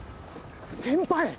先輩！